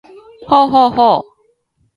ほうほうほう